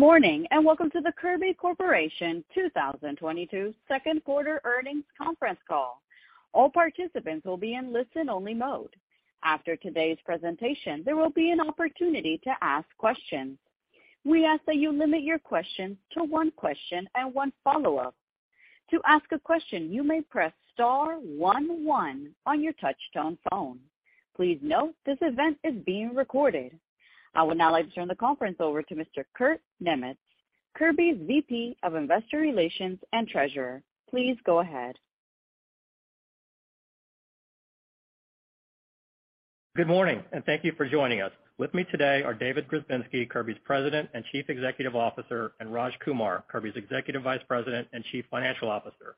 Good morning, and welcome to the Kirby Corporation 2022 second quarter earnings conference call. All participants will be in listen-only mode. After today's presentation, there will be an opportunity to ask questions. We ask that you limit your questions to one question and one follow-up. To ask a question, you may press star one one on your touchtone phone. Please note this event is being recorded. I would now like to turn the conference over to Mr. Kurt A. Niemietz, Kirby's VP of Investor Relations and Treasurer. Please go ahead. Good morning, and thank you for joining us. With me today are David Grzebinski, Kirby's President and Chief Executive Officer, and Raj Kumar, Kirby's Executive Vice President and Chief Financial Officer.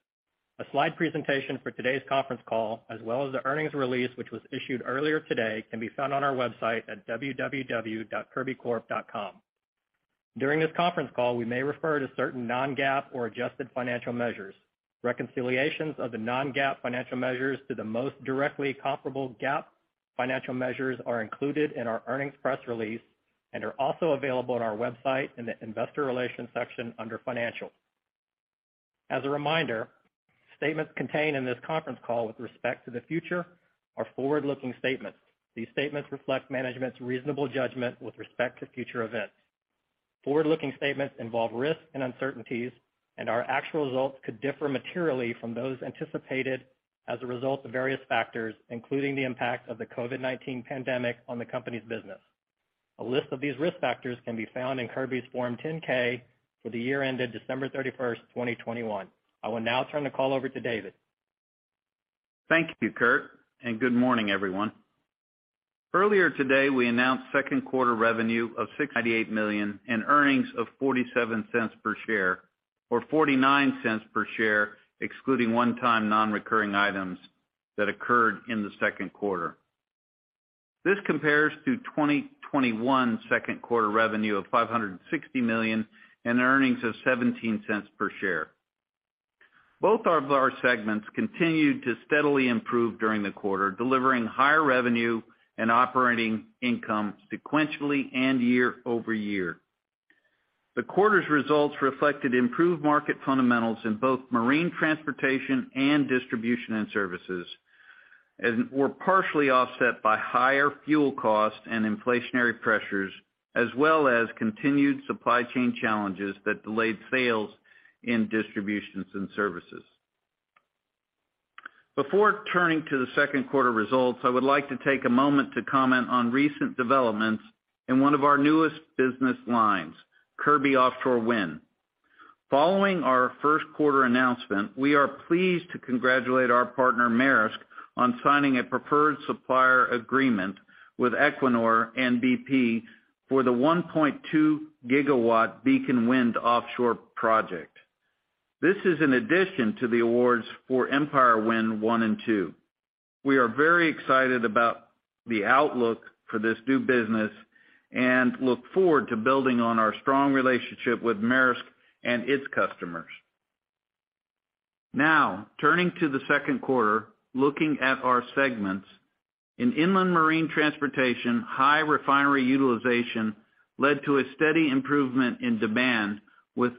A slide presentation for today's conference call, as well as the earnings release, which was issued earlier today, can be found on our website at www.kirbycorp.com. During this conference call, we may refer to certain Non-GAAP or adjusted financial measures. Reconciliations of the Non-GAAP financial measures to the most directly comparable GAAP financial measures are included in our earnings press release and are also available on our website in the investor relations section under financials. As a reminder, statements contained in this conference call with respect to the future are forward-looking statements. These statements reflect management's reasonable judgment with respect to future events. Forward-looking statements involve risks and uncertainties, and our actual results could differ materially from those anticipated as a result of various factors, including the impact of the COVID-19 pandemic on the company's business. A list of these risk factors can be found in Kirby's Form 10-K for the year ended December 31, 2021. I will now turn the call over to David. Thank you, Kurt, and good morning, everyone. Earlier today, we announced second quarter revenue of $698 million and earnings of $0.47 per share or $0.49 per share, excluding one-time non-recurring items that occurred in the second quarter. This compares to 2021 second quarter revenue of $560 million and earnings of $0.17 per share. Both of our segments continued to steadily improve during the quarter, delivering higher revenue and operating income sequentially and year-over-year. The quarter's results reflected improved market fundamentals in both marine transportation and distribution and services, and were partially offset by higher fuel costs and inflationary pressures, as well as continued supply chain challenges that delayed sales in distribution and services. Before turning to the second quarter results, I would like to take a moment to comment on recent developments in one of our newest business lines, Kirby Offshore Wind. Following our first quarter announcement, we are pleased to congratulate our partner, Maersk, on signing a preferred supplier agreement with Equinor and BP for the 1.2-gigawatt Beacon Wind offshore project. This is in addition to the awards for Empire Wind one and two. We are very excited about the outlook for this new business and look forward to building on our strong relationship with Maersk and its customers. Now, turning to the second quarter, looking at our segments. In inland marine transportation, high refinery utilization led to a steady improvement in demand with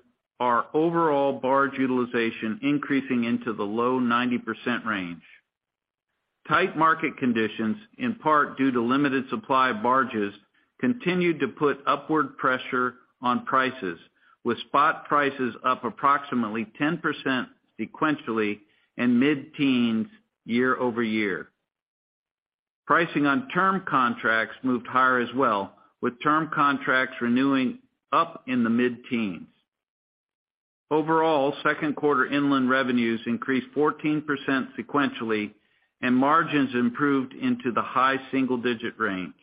our overall barge utilization increasing into the low 90% range. Tight market conditions, in part due to limited supply of barges, continued to put upward pressure on prices with spot prices up approximately 10% sequentially and mid-teens% year-over-year. Pricing on term contracts moved higher as well, with term contracts renewing up in the mid-teens%. Overall, second quarter inland revenues increased 14% sequentially, and margins improved into the high single-digit range.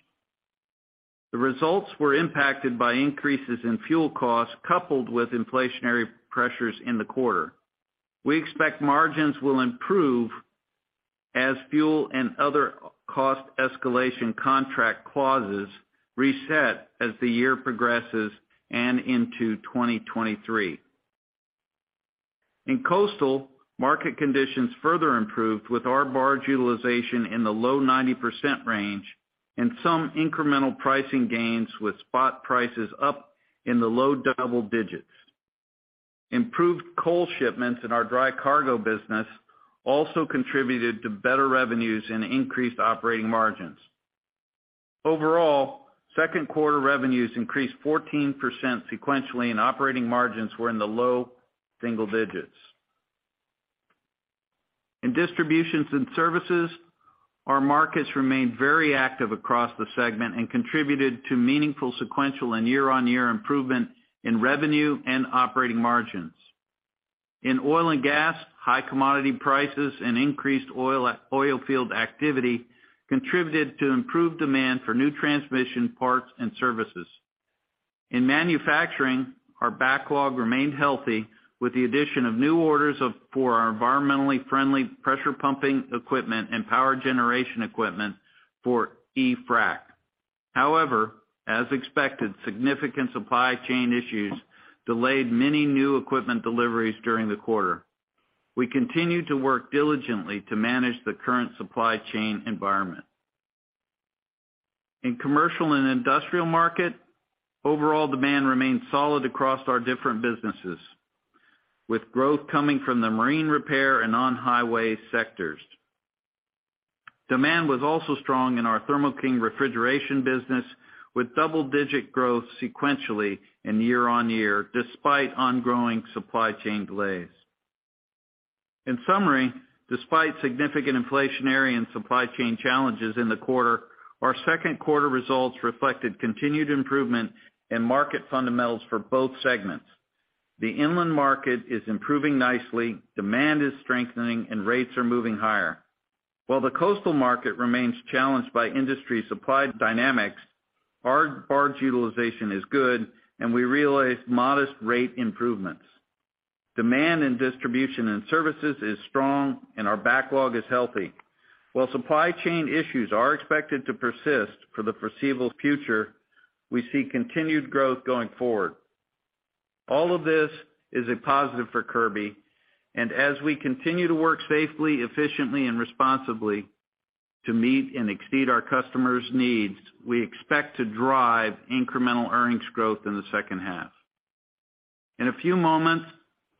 The results were impacted by increases in fuel costs coupled with inflationary pressures in the quarter. We expect margins will improve as fuel and other cost escalation contract clauses reset as the year progresses and into 2023. In coastal, market conditions further improved with our barge utilization in the low 90% range and some incremental pricing gains with spot prices up in the low double digits. Improved coal shipments in our dry cargo business also contributed to better revenues and increased operating margins. Overall, second quarter revenues increased 14% sequentially, and operating margins were in the low single digits. In Distribution and Services, our markets remained very active across the segment and contributed to meaningful sequential and year-on-year improvement in revenue and operating margins. In oil and gas, high commodity prices and increased oilfield activity contributed to improved demand for new transmission parts and services. In Manufacturing, our backlog remained healthy with the addition of new orders for our environmentally friendly pressure pumping equipment and power generation equipment for e-frac. However, as expected, significant supply chain issues delayed many new equipment deliveries during the quarter. We continue to work diligently to manage the current supply chain environment. In Commercial and Industrial market, overall demand remained solid across our different businesses, with growth coming from the marine repair and on-highway sectors. Demand was also strong in our Thermo King refrigeration business, with double-digit growth sequentially and year-on-year despite ongoing supply chain delays. In summary, despite significant inflationary and supply chain challenges in the quarter, our second quarter results reflected continued improvement in market fundamentals for both segments. The inland market is improving nicely, demand is strengthening, and rates are moving higher. While the coastal market remains challenged by industry supply dynamics, our barge utilization is good, and we realized modest rate improvements. Demand in distribution and services is strong, and our backlog is healthy. While supply chain issues are expected to persist for the foreseeable future, we see continued growth going forward. All of this is a positive for Kirby, and as we continue to work safely, efficiently, and responsibly to meet and exceed our customers' needs, we expect to drive incremental earnings growth in the second half. In a few moments,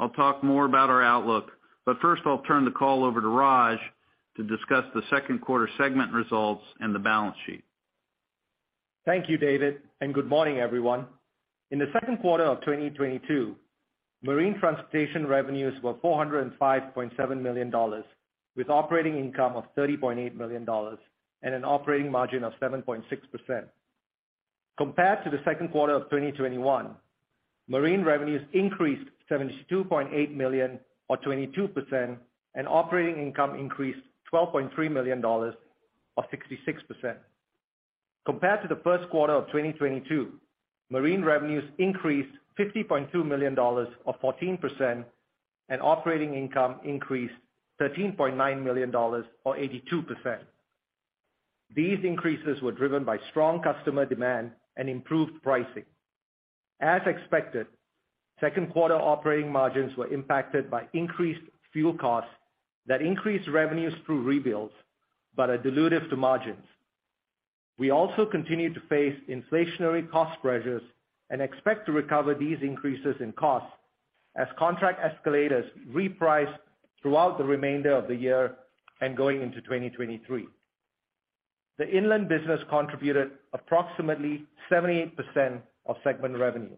I'll talk more about our outlook, but first I'll turn the call over to Raj to discuss the second quarter segment results and the balance sheet. Thank you, David, and good morning, everyone. In the second quarter of 2022, marine transportation revenues were $405.7 million with operating income of $30.8 million and an operating margin of 7.6%. Compared to the second quarter of 2021, marine revenues increased $72.8 million or 22%, and operating income increased $12.3 million or 66%. Compared to the first quarter of 2022, marine revenues increased $50.2 million or 14%, and operating income increased $13.9 million or 82%. These increases were driven by strong customer demand and improved pricing. As expected, second quarter operating margins were impacted by increased fuel costs that increased revenues through rebuilds but are dilutive to margins. We also continued to face inflationary cost pressures and expect to recover these increases in costs as contract escalators reprice throughout the remainder of the year and going into 2023. The inland business contributed approximately 78% of segment revenue.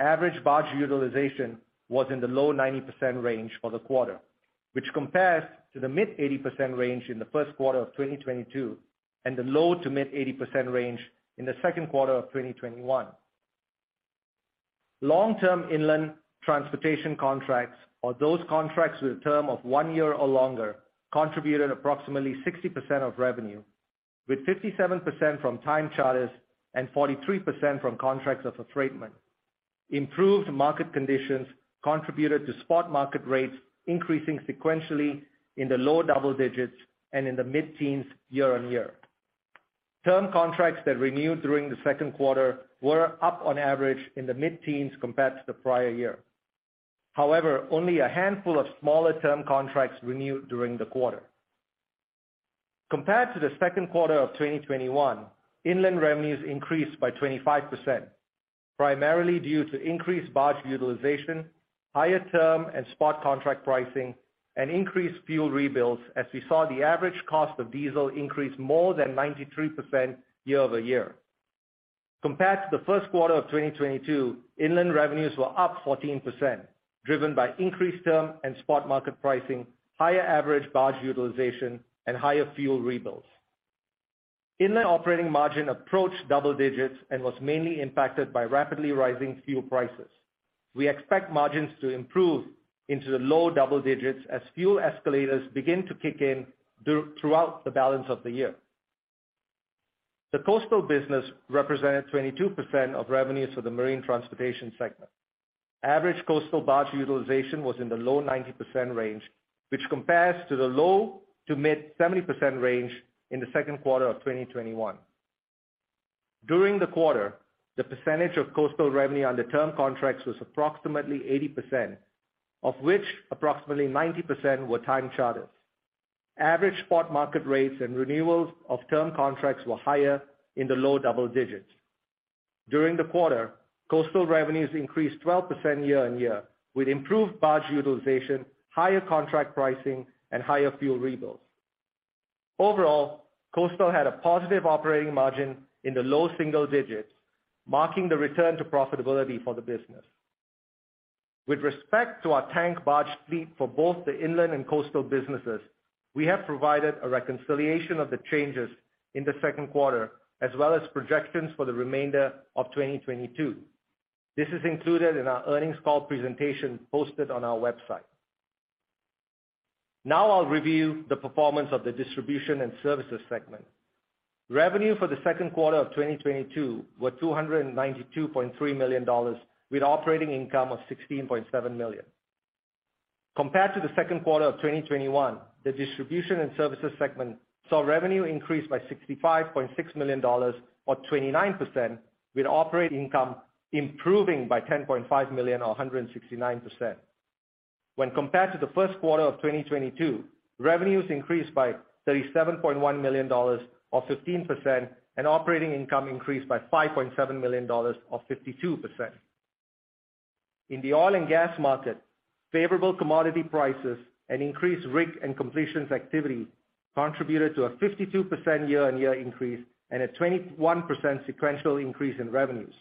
Average barge utilization was in the low 90% range for the quarter, which compares to the mid-80% range in the first quarter of 2022 and the low-to-mid 80% range in the second quarter of 2021. Long-term inland transportation contracts or those contracts with a term of one year or longer contributed approximately 60% of revenue, with 57% from time charters and 43% from contracts of affreightment. Improved market conditions contributed to spot market rates increasing sequentially in the low double digits and in the mid-teens year-on-year. Term contracts that renewed during the second quarter were up on average in the mid-teens compared to the prior year. However, only a handful of smaller term contracts renewed during the quarter. Compared to the second quarter of 2021, inland revenues increased by 25%, primarily due to increased barge utilization, higher term and spot contract pricing, and increased fuel rebuilds as we saw the average cost of diesel increase more than 93% year-over-year. Compared to the first quarter of 2022, inland revenues were up 14%, driven by increased term and spot market pricing, higher average barge utilization, and higher fuel rebuilds. Inland operating margin approached double digits and was mainly impacted by rapidly rising fuel prices. We expect margins to improve into the low double digits as fuel escalators begin to kick in throughout the balance of the year. The coastal business represented 22% of revenues for the marine transportation segment. Average coastal barge utilization was in the low 90% range, which compares to the low-to-mid 70% range in the second quarter of 2021. During the quarter, the percentage of coastal revenue under term contracts was approximately 80%, of which approximately 90% were time charters. Average spot market rates and renewals of term contracts were higher in the low double digits. During the quarter, coastal revenues increased 12% year-on-year with improved barge utilization, higher contract pricing, and higher fuel rebuilds. Overall, coastal had a positive operating margin in the low single digits, marking the return to profitability for the business. With respect to our tank barge fleet for both the inland and coastal businesses, we have provided a reconciliation of the changes in the second quarter, as well as projections for the remainder of 2022. This is included in our earnings call presentation posted on our website. Now I'll review the performance of the distribution and services segment. Revenue for the second quarter of 2022 were $292.3 million with operating income of $16.7 million. Compared to the second quarter of 2021, the distribution and services segment saw revenue increase by $65.6 million or 29% with operating income improving by $10.5 million or 169%. When compared to the first quarter of 2022, revenues increased by $37.1 million, or 15%, and operating income increased by $5.7 million, or 52%. In the oil and gas market, favorable commodity prices and increased rig and completions activity contributed to a 52% year-on-year increase and a 21% sequential increase in revenues.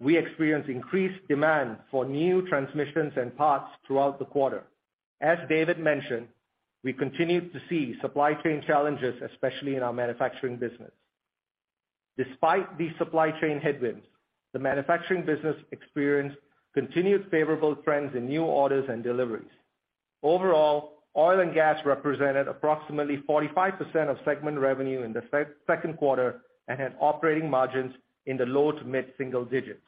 We experienced increased demand for new transmissions and parts throughout the quarter. As David mentioned, we continued to see supply chain challenges, especially in our manufacturing business. Despite these supply chain headwinds, the manufacturing business experienced continued favorable trends in new orders and deliveries. Overall, oil and gas represented approximately 45% of segment revenue in the second quarter and had operating margins in the low to mid-single digits.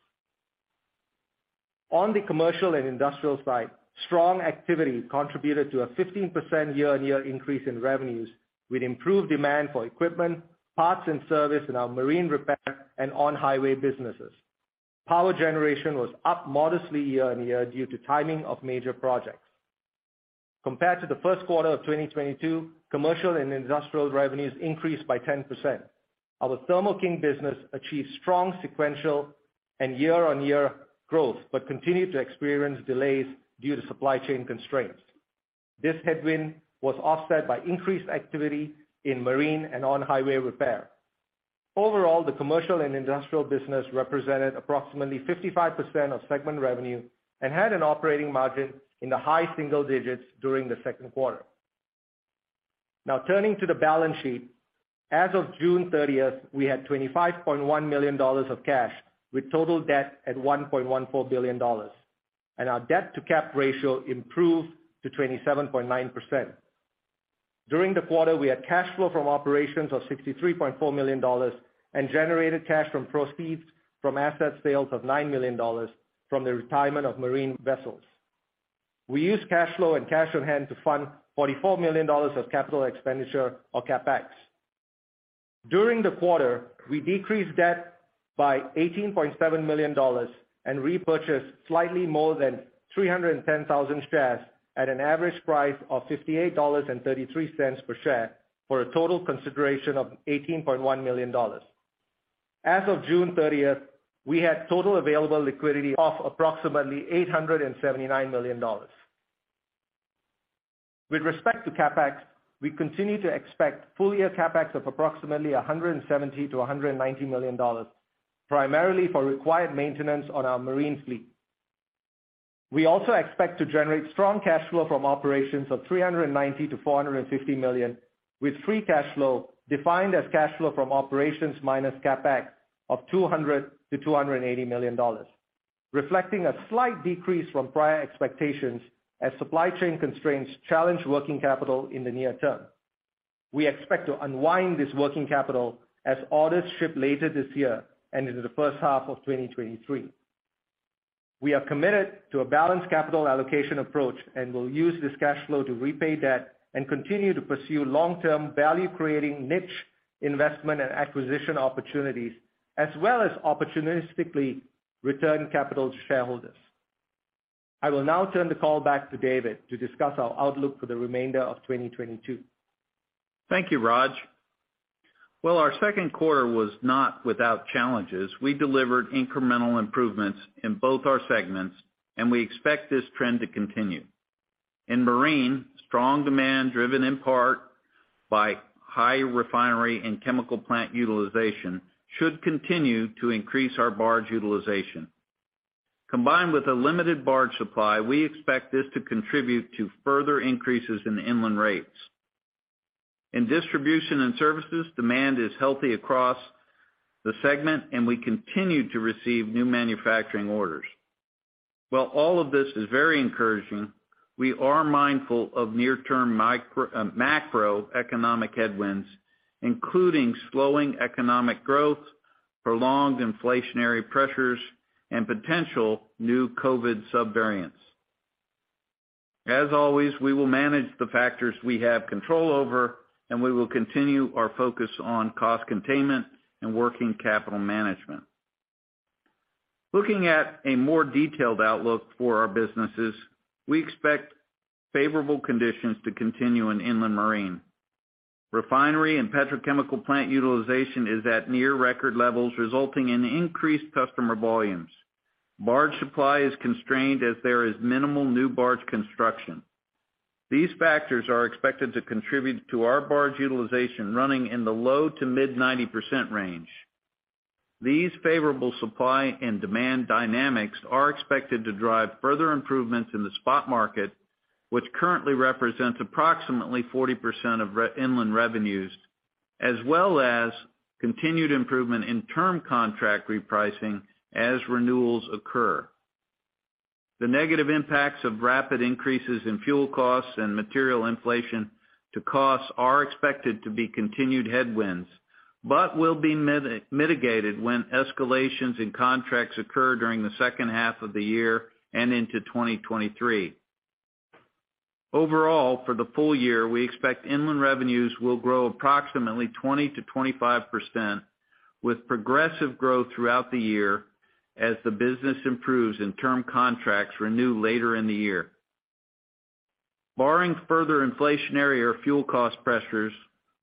On the commercial and industrial side, strong activity contributed to a 15% year-on-year increase in revenues, with improved demand for equipment, parts, and service in our marine repair and on-highway businesses. Power generation was up modestly year-on-year due to timing of major projects. Compared to the first quarter of 2022, commercial and industrial revenues increased by 10%. Our Thermo King business achieved strong sequential and year-on-year growth, but continued to experience delays due to supply chain constraints. This headwind was offset by increased activity in marine and on-highway repair. Overall, the commercial and industrial business represented approximately 55% of segment revenue and had an operating margin in the high single digits during the second quarter. Now turning to the balance sheet. As of June thirtieth, we had $25.1 million of cash, with total debt at $1.14 billion, and our debt-to-cap ratio improved to 27.9%. During the quarter, we had cash flow from operations of $63.4 million and generated cash from proceeds from asset sales of $9 million from the retirement of marine vessels. We used cash flow and cash on hand to fund $44 million of capital expenditure of CapEx. During the quarter, we decreased debt by $18.7 million and repurchased slightly more than 310,000 shares at an average price of $58.33 per share for a total consideration of $18.1 million. As of June thirtieth, we had total available liquidity of approximately $879 million. With respect to CapEx, we continue to expect full-year CapEx of approximately $170 million-$190 million, primarily for required maintenance on our marine fleet. We also expect to generate strong cash flow from operations of $390 million-$450 million, with free cash flow defined as cash flow from operations minus CapEx of $200 million-$280 million, reflecting a slight decrease from prior expectations as supply chain constraints challenge working capital in the near term. We expect to unwind this working capital as orders ship later this year and into the first half of 2023. We are committed to a balanced capital allocation approach and will use this cash flow to repay debt and continue to pursue long-term, value-creating niche investment and acquisition opportunities, as well as opportunistically return capital to shareholders. I will now turn the call back to David to discuss our outlook for the remainder of 2022. Thank you, Raj. While our second quarter was not without challenges, we delivered incremental improvements in both our segments, and we expect this trend to continue. In marine, strong demand, driven in part by high refinery and chemical plant utilization, should continue to increase our barge utilization. Combined with a limited barge supply, we expect this to contribute to further increases in inland rates. In distribution and services, demand is healthy across the segment, and we continue to receive new manufacturing orders. While all of this is very encouraging, we are mindful of near-term macroeconomic headwinds, including slowing economic growth, prolonged inflationary pressures, and potential new COVID subvariants. As always, we will manage the factors we have control over, and we will continue our focus on cost containment and working capital management. Looking at a more detailed outlook for our businesses, we expect favorable conditions to continue in inland marine. Refinery and petrochemical plant utilization is at near record levels, resulting in increased customer volumes. Barge supply is constrained as there is minimal new barge construction. These factors are expected to contribute to our barge utilization running in the low- to mid-90% range. These favorable supply and demand dynamics are expected to drive further improvements in the spot market, which currently represents approximately 40% of inland revenues, as well as continued improvement in term contract repricing as renewals occur. The negative impacts of rapid increases in fuel costs and material inflation to costs are expected to be continued headwinds, but will be mitigated when escalations in contracts occur during the second half of the year and into 2023. Overall, for the full year, we expect inland revenues will grow approximately 20%-25% with progressive growth throughout the year as the business improves and term contracts renew later in the year. Barring further inflationary or fuel cost pressures,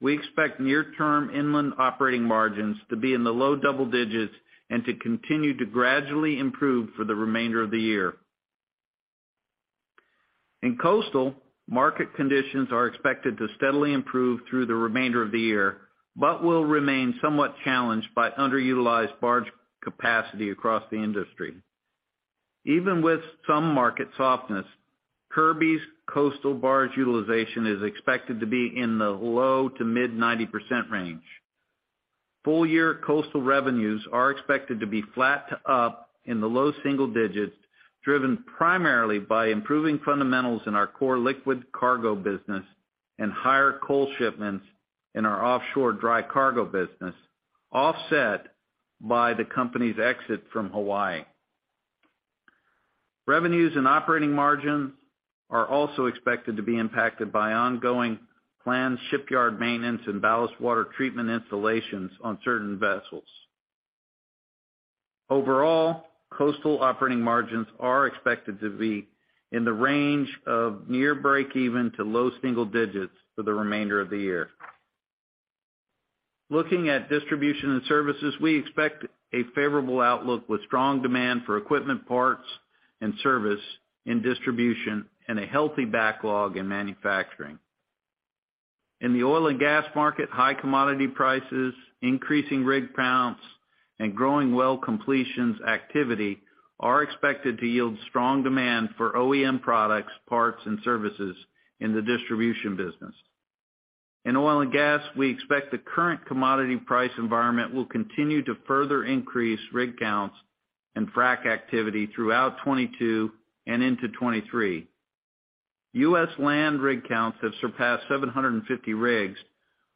we expect near-term inland operating margins to be in the low double digits and to continue to gradually improve for the remainder of the year. In coastal, market conditions are expected to steadily improve through the remainder of the year, but will remain somewhat challenged by underutilized barge capacity across the industry. Even with some market softness, Kirby's coastal barge utilization is expected to be in the low- to mid-90% range. Full-year coastal revenues are expected to be flat to up in the low-single-digits%, driven primarily by improving fundamentals in our core liquid cargo business and higher coal shipments in our offshore dry cargo business, offset by the company's exit from Hawaii. Revenues and operating margins are also expected to be impacted by ongoing planned shipyard maintenance and ballast water treatment installations on certain vessels. Overall, coastal operating margins are expected to be in the range of near breakeven to low-single-digits% for the remainder of the year. Looking at distribution and services, we expect a favorable outlook with strong demand for equipment parts and service in distribution and a healthy backlog in manufacturing. In the oil and gas market, high commodity prices, increasing rig counts, and growing well completions activity are expected to yield strong demand for OEM products, parts, and services in the distribution business. In oil and gas, we expect the current commodity price environment will continue to further increase rig counts and frac activity throughout 2022 and into 2023. U.S. land rig counts have surpassed 750 rigs,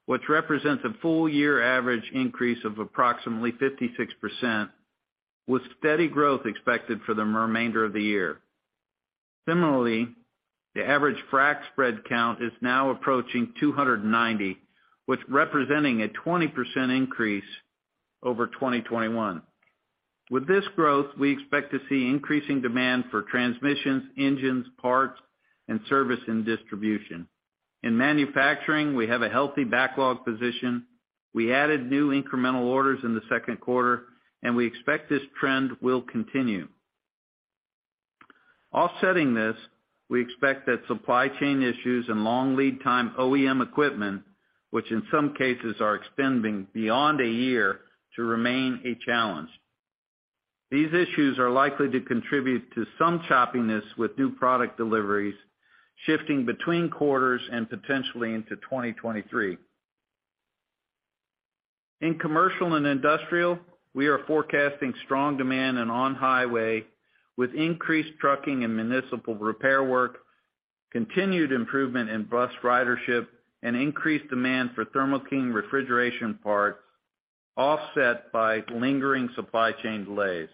which represents a full year average increase of approximately 56% with steady growth expected for the remainder of the year. Similarly, the average frac spread count is now approaching 290, representing a 20% increase over 2021. With this growth, we expect to see increasing demand for transmissions, engines, parts, and service in distribution. In manufacturing, we have a healthy backlog position. We added new incremental orders in the second quarter, and we expect this trend will continue. Offsetting this, we expect that supply chain issues and long lead time OEM equipment, which in some cases are extending beyond a year to remain a challenge. These issues are likely to contribute to some choppiness with new product deliveries shifting between quarters and potentially into 2023. In commercial and industrial, we are forecasting strong demand and on highway with increased trucking and municipal repair work, continued improvement in bus ridership, and increased demand for Thermo King refrigeration parts, offset by lingering supply chain delays.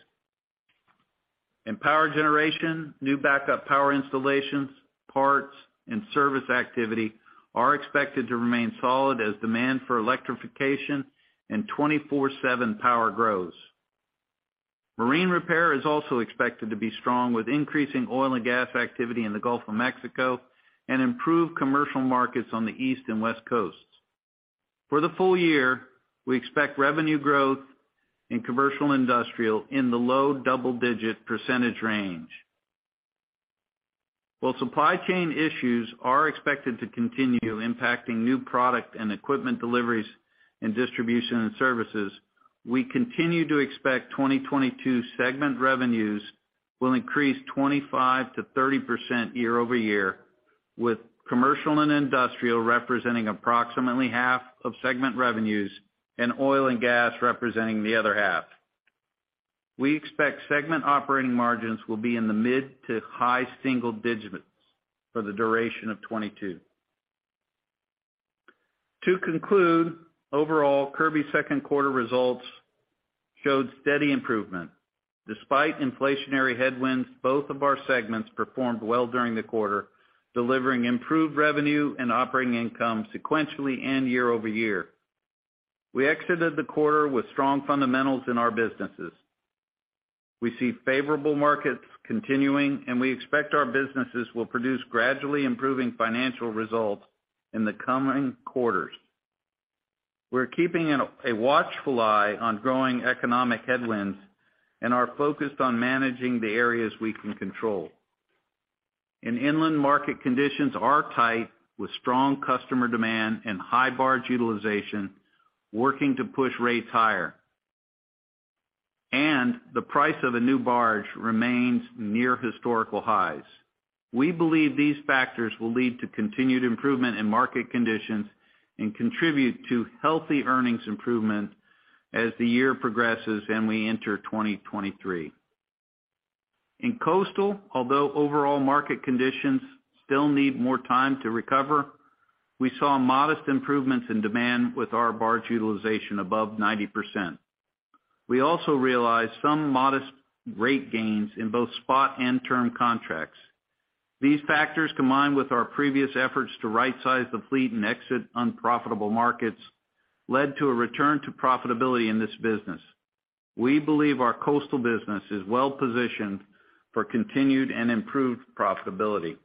In power generation, new backup power installations, parts, and service activity are expected to remain solid as demand for electrification and 24/7 power grows. Marine repair is also expected to be strong with increasing oil and gas activity in the Gulf of Mexico and improved commercial markets on the East and West Coasts. For the full year, we expect revenue growth in commercial and industrial in the low double-digit percentage range. While supply chain issues are expected to continue impacting new product and equipment deliveries in distribution and services, we continue to expect 2022 segment revenues will increase 25%-30% year-over-year, with commercial and industrial representing approximately half of segment revenues and oil and gas representing the other half. We expect segment operating margins will be in the mid- to high-single digits for the duration of 2022. To conclude, overall, Kirby's second quarter results showed steady improvement. Despite inflationary headwinds, both of our segments performed well during the quarter, delivering improved revenue and operating income sequentially and year over year. We exited the quarter with strong fundamentals in our businesses. We see favorable markets continuing, and we expect our businesses will produce gradually improving financial results in the coming quarters. We're keeping a watchful eye on growing economic headwinds and are focused on managing the areas we can control. In inland, market conditions are tight with strong customer demand and high barge utilization working to push rates higher. The price of a new barge remains near historical highs. We believe these factors will lead to continued improvement in market conditions and contribute to healthy earnings improvement as the year progresses and we enter 2023. In coastal, although overall market conditions still need more time to recover, we saw modest improvements in demand with our barge utilization above 90%. We also realized some modest rate gains in both spot and term contracts. These factors, combined with our previous efforts to rightsize the fleet and exit unprofitable markets, led to a return to profitability in this business. We believe our coastal business is well-positioned for continued and improved profitability.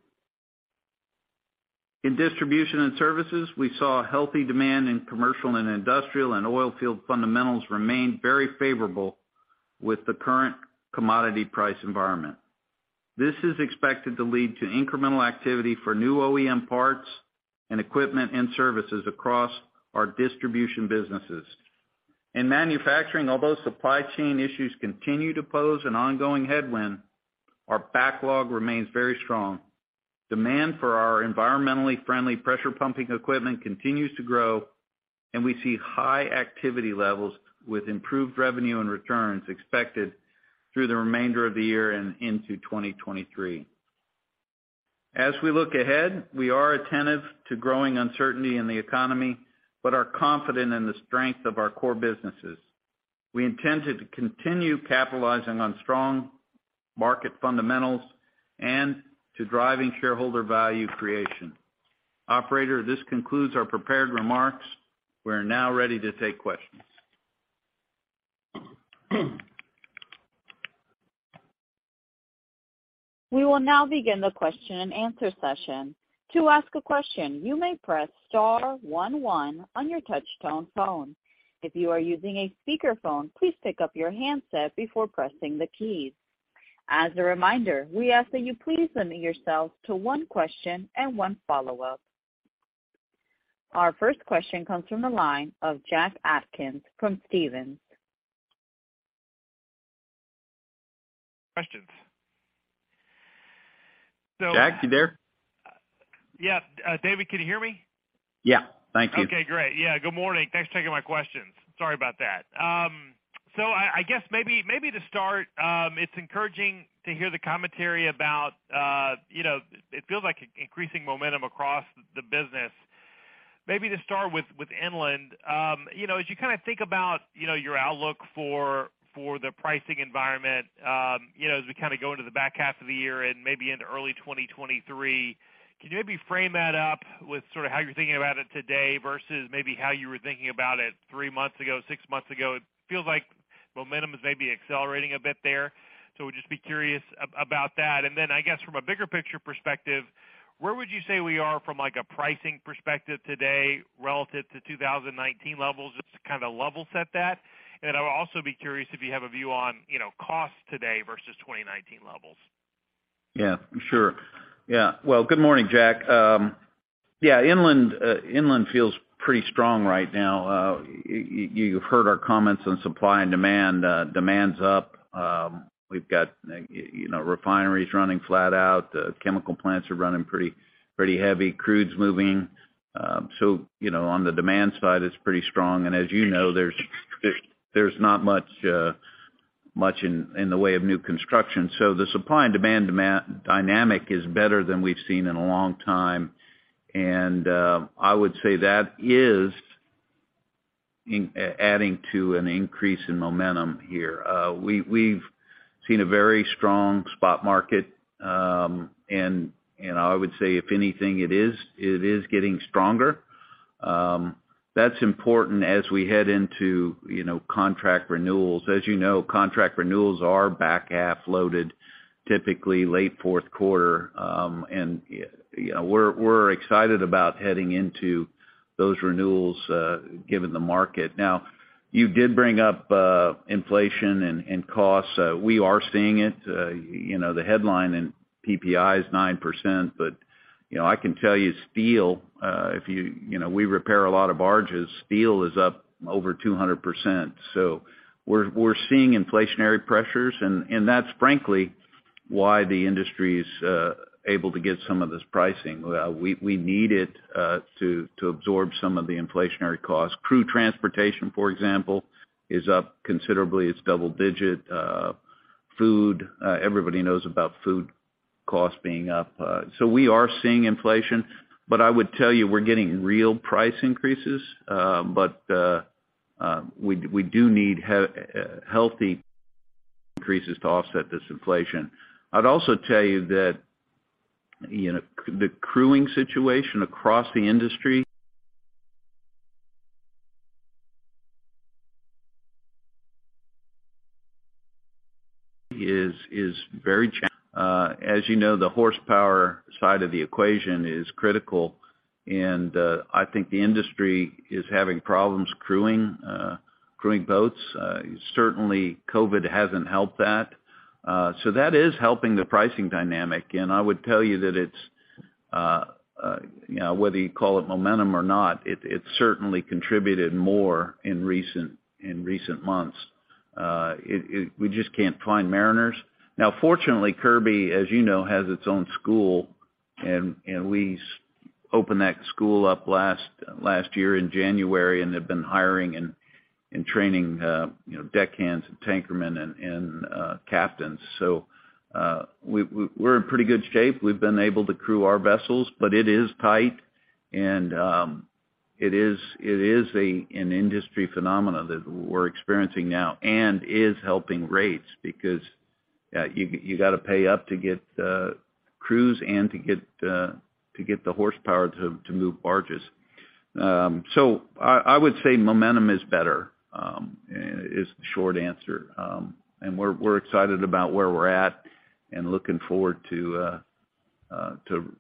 In distribution and services, we saw a healthy demand in commercial and industrial, and oil field fundamentals remained very favorable with the current commodity price environment. This is expected to lead to incremental activity for new OEM parts and equipment and services across our distribution businesses. In manufacturing, although supply chain issues continue to pose an ongoing headwind, our backlog remains very strong. Demand for our environmentally friendly pressure pumping equipment continues to grow, and we see high activity levels with improved revenue and returns expected through the remainder of the year and into 2023. As we look ahead, we are attentive to growing uncertainty in the economy, but are confident in the strength of our core businesses. We intend to continue capitalizing on strong market fundamentals and to driving shareholder value creation. Operator, this concludes our prepared remarks. We are now ready to take questions. We will now begin the question-and-answer session. To ask a question, you may press star one one on your touchtone phone. If you are using a speakerphone, please pick up your handset before pressing the keys. As a reminder, we ask that you please limit yourselves to one question and one follow-up. Our first question comes from the line of Jack Atkins from Stephens. Questions. Jack, you there? Yeah. David, can you hear me? Yeah. Thank you. Okay, great. Yeah, good morning. Thanks for taking my questions. Sorry about that. I guess maybe to start, it's encouraging to hear the commentary about, you know, it feels like increasing momentum across the business. Maybe to start with inland, you know, as you kind of think about your outlook for the pricing environment, you know, as we kind of go into the back half of the year and maybe into early 2023, can you maybe frame that up with sort of how you're thinking about it today versus maybe how you were thinking about it three months ago, six months ago? It feels like momentum is maybe accelerating a bit there, so would just be curious about that. I guess, from a bigger picture perspective, where would you say we are from, like, a pricing perspective today relative to 2019 levels? Just to kind of level set that. I would also be curious if you have a view on, you know, costs today versus 2019 levels. Yeah. Sure. Yeah. Well, good morning, Jack. Inland feels pretty strong right now. You've heard our comments on supply and demand. Demand's up. We've got, you know, refineries running flat out, chemical plants are running pretty heavy, crude's moving. So, you know, on the demand side, it's pretty strong. As you know, there's not much in the way of new construction. The supply and demand dynamic is better than we've seen in a long time. I would say that is adding to an increase in momentum here. We've seen a very strong spot market, and I would say, if anything, it is getting stronger. That's important as we head into, you know, contract renewals. As you know, contract renewals are back half loaded, typically late fourth quarter. You know, we're excited about heading into those renewals, given the market. Now, you did bring up inflation and costs. We are seeing it. You know, the headline in PPI is 9%, but you know, I can tell you steel, you know, we repair a lot of barges. Steel is up over 200%. We're seeing inflationary pressures, and that's frankly why the industry's able to get some of this pricing. We need it to absorb some of the inflationary costs. Crew transportation, for example, is up considerably. It's double digit. Food, everybody knows about food costs being up. We are seeing inflation, but I would tell you we're getting real price increases, but we do need healthy increases to offset this inflation. I'd also tell you that, you know, the crewing situation across the industry is. As you know, the horsepower side of the equation is critical, and I think the industry is having problems crewing boats. Certainly COVID hasn't helped that. So that is helping the pricing dynamic. I would tell you that it's, you know, whether you call it momentum or not, it certainly contributed more in recent months. We just can't find mariners. Now, fortunately, Kirby, as you know, has its own school, and we opened that school up last year in January and have been hiring and training, you know, deckhands and tankermen and captains. So, we're in pretty good shape. We've been able to crew our vessels, but it is tight. It is an industry phenomenon that we're experiencing now and is helping rates because you gotta pay up to get the crews and to get the horsepower to move barges. So I would say momentum is better, is the short answer. We're excited about where we're at and looking forward to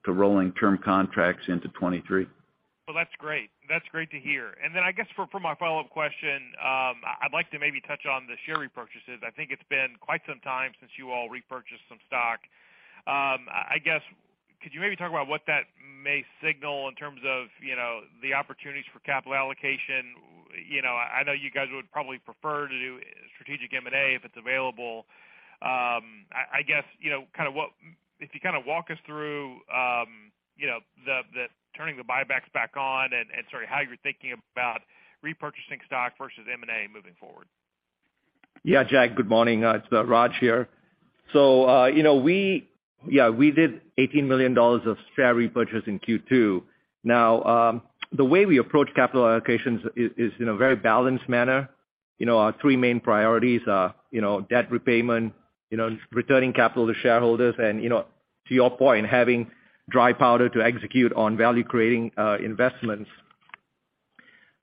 rolling term contracts into 2023. Well, that's great. That's great to hear. Then I guess for my follow-up question, I'd like to maybe touch on the share repurchases. I think it's been quite some time since you all repurchased some stock. I guess could you maybe talk about what that may signal in terms of, you know, the opportunities for capital allocation? You know, I know you guys would probably prefer to do strategic M&A if it's available. I guess, you know, kind of what if you kind of walk us through, you know, the turning the buybacks back on and sort of how you're thinking about repurchasing stock versus M&A moving forward. Yeah, Jack, good morning. It's Raj here. You know, we did $18 million of share repurchase in Q2. Now, the way we approach capital allocations is in a very balanced manner. You know, our three main priorities are, you know, debt repayment, you know, returning capital to shareholders and, you know, to your point, having dry powder to execute on value-creating investments.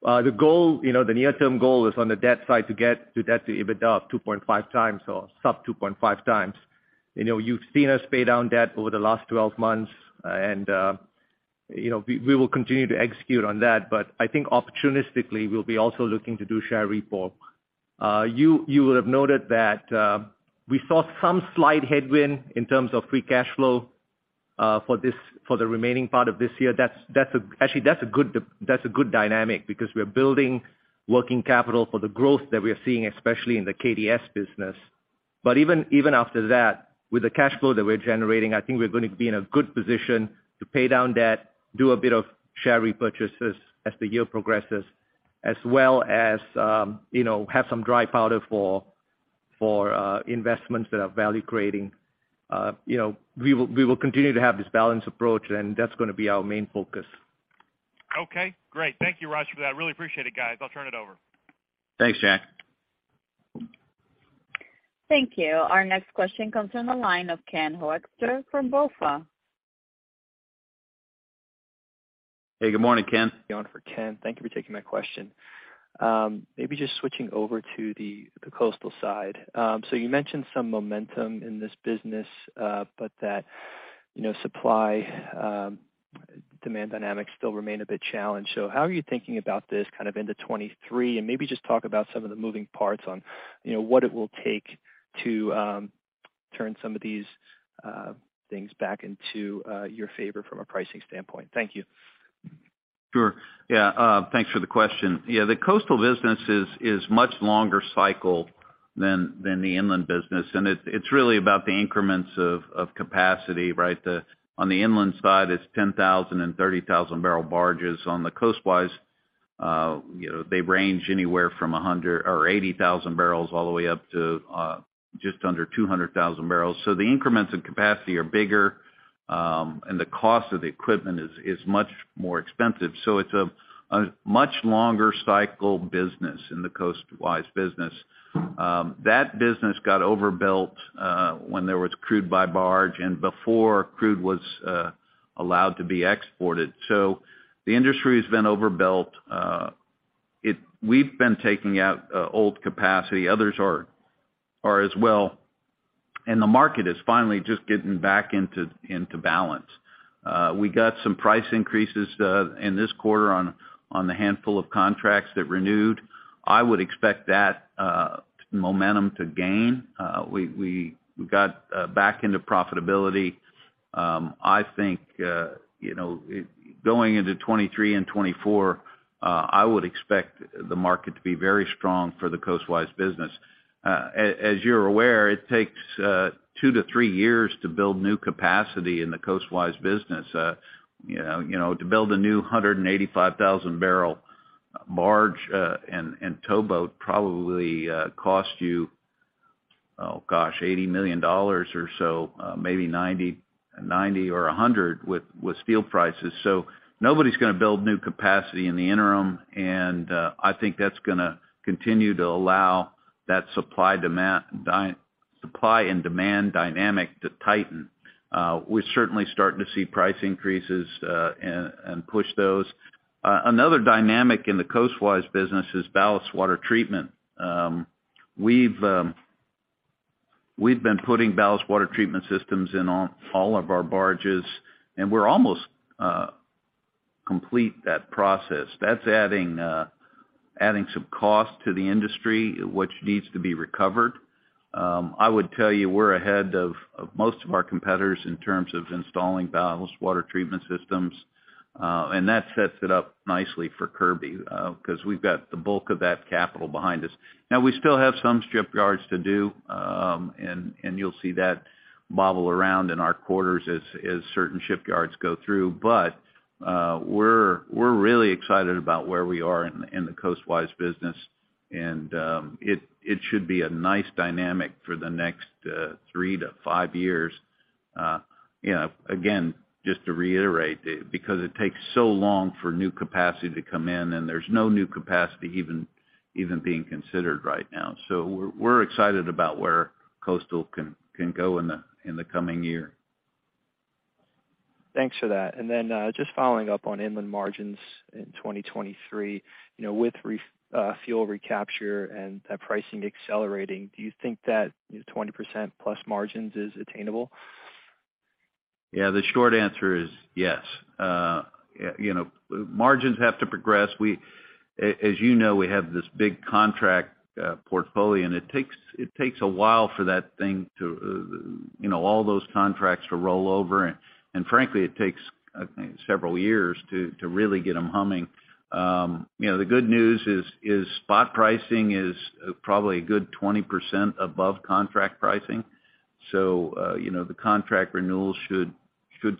The goal, you know, the near-term goal is on the debt side to get the debt to EBITDA of 2.5x or sub 2.5x. You know, you've seen us pay down debt over the last 12 months, and you know, we will continue to execute on that. I think opportunistically, we'll be also looking to do share repo. You would have noted that we saw some slight headwind in terms of free cash flow for the remaining part of this year. That's actually a good dynamic because we are building working capital for the growth that we are seeing, especially in the KDS business. Even after that, with the cash flow that we're generating, I think we're going to be in a good position to pay down debt, do a bit of share repurchases as the year progresses, as well as you know, have some dry powder for investments that are value creating. You know, we will continue to have this balanced approach, and that's gonna be our main focus. Okay, great. Thank you, Raj, for that. Really appreciate it, guys. I'll turn it over. Thanks, Jack. Thank you. Our next question comes from the line of Ken Hoexter from BofA. Hey, good morning, Ken. Thank you for taking my question. Maybe just switching over to the coastal side. You mentioned some momentum in this business, but that, you know, supply, demand dynamics still remain a bit challenged. How are you thinking about this kind of into 2023? Maybe just talk about some of the moving parts on, you know, what it will take to turn some of these things back into your favor from a pricing standpoint. Thank you. Thanks for the question. Yeah, the coastal business is much longer cycle than the inland business, and it's really about the increments of capacity, right? On the inland side, it's 10,000 and 30,000 barrel barges. On the coastwise, you know, they range anywhere from 100,000 or 80,000 barrels all the way up to just under 200,000 barrels. The increments in capacity are bigger, and the cost of the equipment is much more expensive. It's a much longer cycle business in the coastwise business. That business got overbuilt when there was crude by barge and before crude was allowed to be exported. The industry's been overbuilt. We've been taking out old capacity. Others are as well. The market is finally just getting back into balance. We got some price increases in this quarter on the handful of contracts that renewed. I would expect that momentum to gain. We got back into profitability. I think you know, going into 2023 and 2024, I would expect the market to be very strong for the coastwise business. As you're aware, it takes two to three years to build new capacity in the coastwise business. You know, to build a new 185,000-barrel barge and towboat probably cost you, oh gosh, $80 million or so, maybe $90 or $100 with steel prices. Nobody's gonna build new capacity in the interim, and I think that's gonna continue to allow that supply and demand dynamic to tighten. We're certainly starting to see price increases, and push those. Another dynamic in the coastwise business is ballast water treatment. We've been putting ballast water treatment systems in all of our barges, and we're almost complete that process. That's adding some cost to the industry, which needs to be recovered. I would tell you we're ahead of most of our competitors in terms of installing ballast water treatment systems, and that sets it up nicely for Kirby, 'cause we've got the bulk of that capital behind us. Now, we still have some shipyards to do, and you'll see that bobble around in our quarters as certain shipyards go through. We're really excited about where we are in the coastal business. It should be a nice dynamic for the next three-five years. You know, again, just to reiterate, because it takes so long for new capacity to come in, and there's no new capacity even being considered right now. We're excited about where coastal can go in the coming year. Thanks for that. Just following up on inland margins in 2023, you know, with fuel recapture and that pricing accelerating, do you think that 20%+ margins is attainable? Yeah. The short answer is yes. You know, margins have to progress. We, as you know, we have this big contract portfolio, and it takes a while for that thing to, you know, all those contracts to roll over. And frankly, it takes, I think, several years to really get them humming. You know, the good news is spot pricing is probably a good 20% above contract pricing. So, you know, the contract renewal should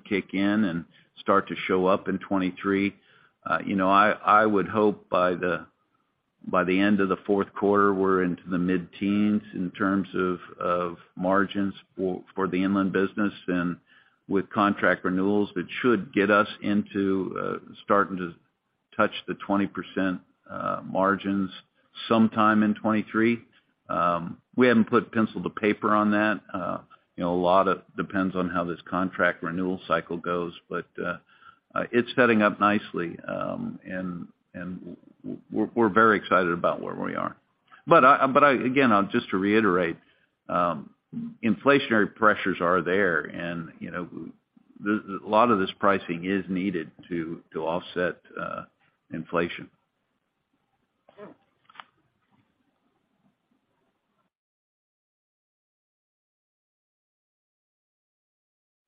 kick in and start to show up in 2023. You know, I would hope by the end of the fourth quarter, we're into the mid-teens in terms of margins for the inland business. And with contract renewals, it should get us into starting to touch the 20% margins sometime in 2023. We haven't put pencil to paper on that. You know, a lot of depends on how this contract renewal cycle goes. It's setting up nicely, and we're very excited about where we are. Again, just to reiterate, inflationary pressures are there. You know, a lot of this pricing is needed to offset inflation.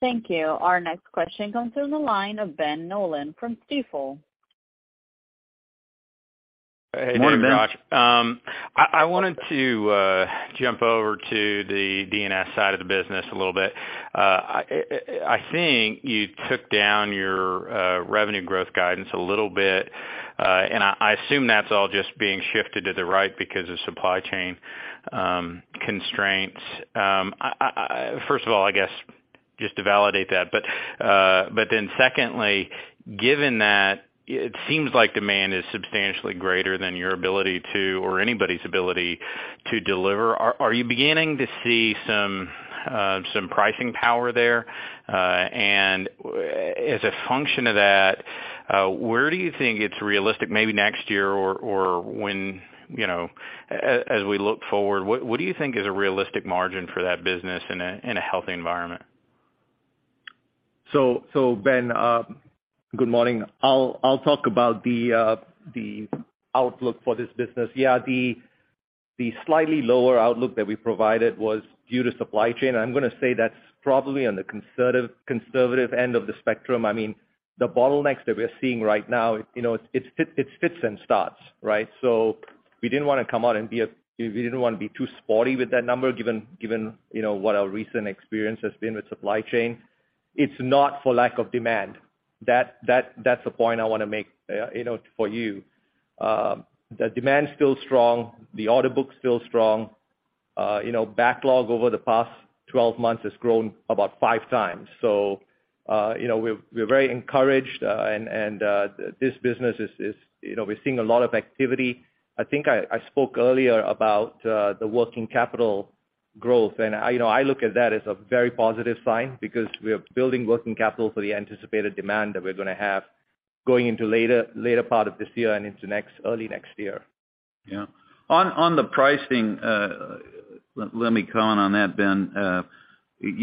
Thank you. Our next question comes through the line of Ben Nolan from Stifel. Good morning, Ben. Hey. Good morning, Raj. I wanted to jump over to the D&S side of the business a little bit. I think you took down your revenue growth guidance a little bit. I assume that's all just being shifted to the right because of supply chain constraints. First of all, I guess, just to validate that. Then secondly, given that it seems like demand is substantially greater than your ability to, or anybody's ability to deliver, are you beginning to see some pricing power there? And as a function of that, where do you think it's realistic maybe next year or when, you know, as we look forward, what do you think is a realistic margin for that business in a healthy environment? Ben, good morning. I'll talk about the outlook for this business. The slightly lower outlook that we provided was due to supply chain. I'm gonna say that's probably on the conservative end of the spectrum. I mean, the bottlenecks that we're seeing right now, you know, it's fits and starts, right? We didn't wanna come out and be a—we didn't wanna be too sporty with that number given, you know, what our recent experience has been with supply chain. It's not for lack of demand. That's the point I wanna make, you know, for you. The demand's still strong. The order book's still strong. You know, backlog over the past 12 months has grown about 5x. You know, we're very encouraged. This business is, you know, we're seeing a lot of activity. I think I spoke earlier about the working capital growth. You know, I look at that as a very positive sign because we are building working capital for the anticipated demand that we're gonna have going into later part of this year and into early next year. Yeah. On the pricing, let me comment on that, Ben.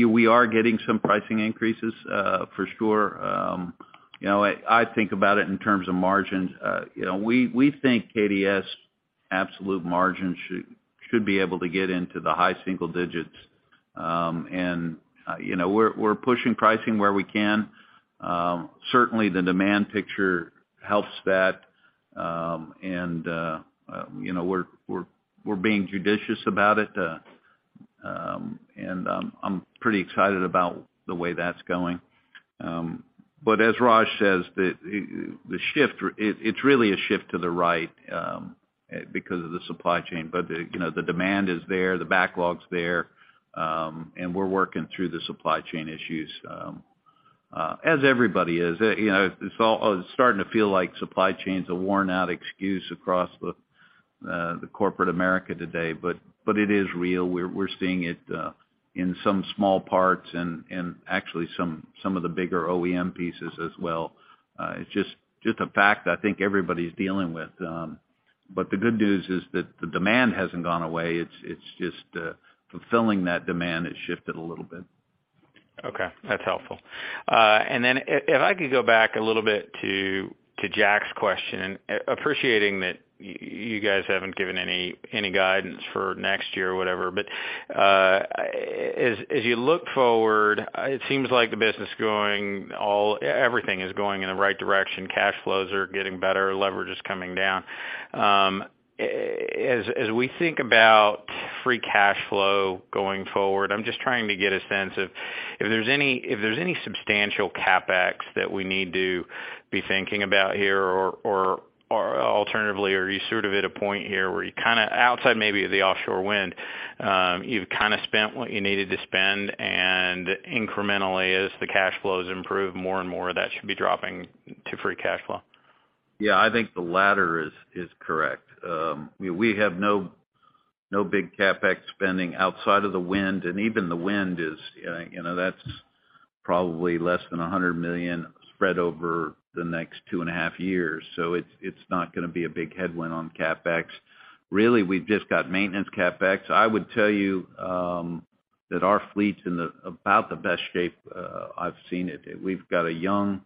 We are getting some pricing increases, for sure. You know, I think about it in terms of margins. You know, we think KDS absolute margins should be able to get into the high single digits. You know, we're pushing pricing where we can. Certainly, the demand picture helps that. You know, we're being judicious about it. I'm pretty excited about the way that's going. As Raj says, it's really a shift to the right because of the supply chain. You know, the demand is there, the backlog's there, and we're working through the supply chain issues as everybody is. You know, it's all starting to feel like supply chain is a worn out excuse across the Corporate America today, but it is real. We're seeing it in some small parts and actually some of the bigger OEM pieces as well. It's just a fact I think everybody's dealing with. The good news is that the demand hasn't gone away. It's just fulfilling that demand has shifted a little bit. Okay, that's helpful. If I could go back a little bit to Jack's question, appreciating that you guys haven't given any guidance for next year or whatever. As you look forward, it seems like everything is going in the right direction. Cash flows are getting better, leverage is coming down. As we think about free cash flow going forward, I'm just trying to get a sense of if there's any substantial CapEx that we need to be thinking about here or alternatively, are you sort of at a point here where you kind of outside maybe of the offshore wind, you've kind of spent what you needed to spend, and incrementally as the cash flows improve more and more that should be dropping to free cash flow? Yeah. I think the latter is correct. We have no big CapEx spending outside of the wind, and even the wind is, you know, that's probably less than $100 million spread over the next two and a half years. It's not gonna be a big headwind on CapEx. Really, we've just got maintenance CapEx. I would tell you that our fleet's in about the best shape I've seen it. We've got a young,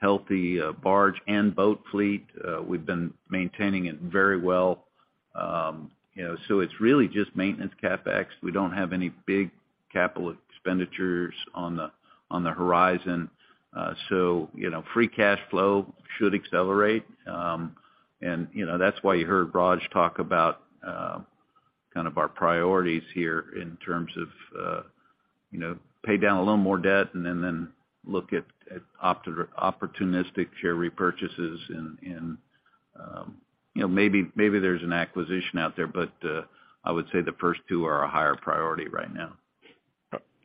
healthy barge and boat fleet. We've been maintaining it very well. You know, so it's really just maintenance CapEx. We don't have any big capital expenditures on the horizon. You know, free cash flow should accelerate. You know, that's why you heard Raj talk about kind of our priorities here in terms of you know pay down a little more debt and then look at opportunistic share repurchases and you know maybe there's an acquisition out there, but I would say the first two are a higher priority right now.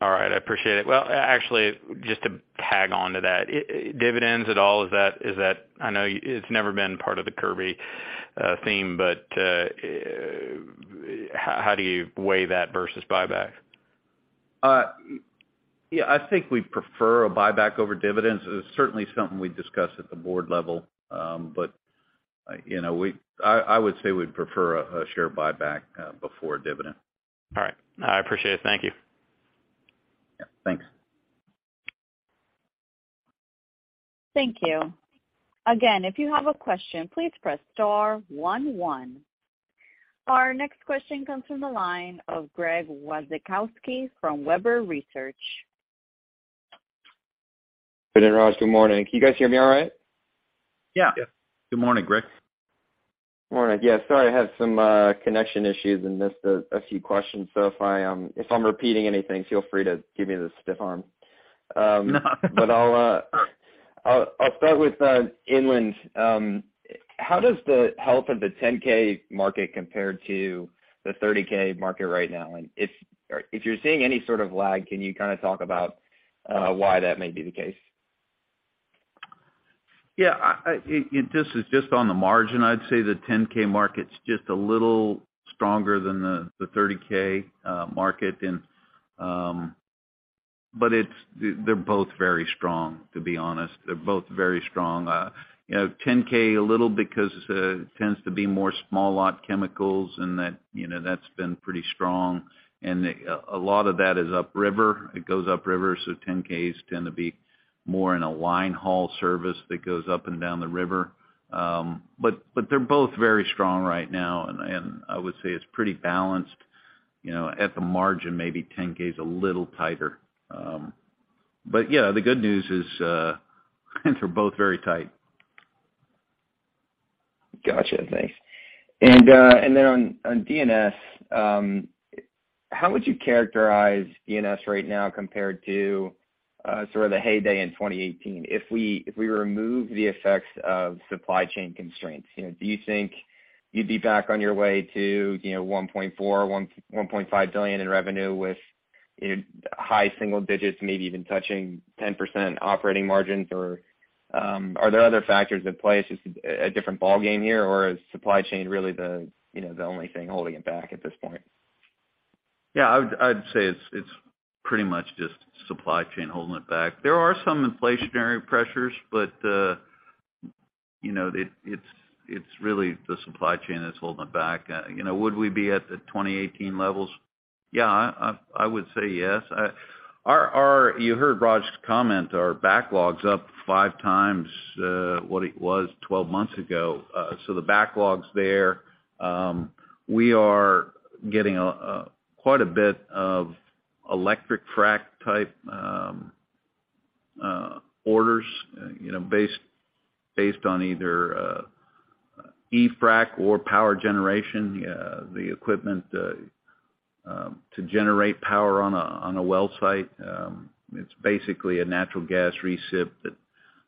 All right. I appreciate it. Well, actually just to tack on to that, dividends at all. I know it's never been part of the Kirby theme, but how do you weigh that versus buyback? Yeah, I think we'd prefer a buyback over dividends. It's certainly something we discuss at the board level. You know, I would say we'd prefer a share buyback before a dividend. All right. I appreciate it. Thank you. Yeah. Thanks. Thank you. Again, if you have a question, please press star one one. Our next question comes from the line of Greg Wasikowski from Webber Research. Good day, Raj. Good morning. Can you guys hear me all right? Yeah. Yeah. Good morning, Greg. Morning. Yeah. Sorry, I had some connection issues and missed a few questions. If I'm repeating anything, feel free to give me the stiff arm. I'll start with inland. How does the health of the 10K market compare to the 30K market right now? If you're seeing any sort of lag, can you kind of talk about why that may be the case? Yeah. This is just on the margin. I'd say the 10K market's just a little stronger than the 30K market. They're both very strong, to be honest. They're both very strong. You know, 10K a little because tends to be more small lot chemicals, and that, you know, that's been pretty strong. A lot of that is upriver. It goes upriver, so 10Ks tend to be more in a line haul service that goes up and down the river. But they're both very strong right now, and I would say it's pretty balanced, you know, at the margin, maybe 10K is a little tighter. But yeah, the good news is, they're both very tight. Gotcha. Thanks. Then on D&S, how would you characterize D&S right now compared to sort of the heyday in 2018? If we remove the effects of supply chain constraints, you know, do you think you'd be back on your way to, you know, $1.4 billion-$1.5 billion in revenue with high single digits%, maybe even touching 10% operating margins? Or are there other factors at play? It's just a different ballgame here, or is supply chain really the only thing holding it back at this point? Yeah. I'd say it's pretty much just supply chain holding it back. There are some inflationary pressures, but, you know, it's really the supply chain that's holding it back. You know, would we be at the 2018 levels? Yeah. I would say yes. Our backlog's up 5x what it was 12 months ago. The backlog's there. We are getting quite a bit of electric frac type orders, you know, based on either e-frac or power generation. The equipment to generate power on a well site, it's basically a natural gas recip that